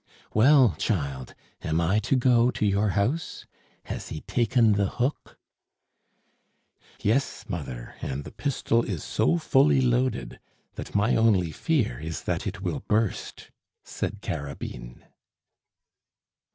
"Well, child, am I to go to your house? Has he taken the hook?" "Yes, mother; and the pistol is so fully loaded, that my only fear is that it will burst," said Carabine.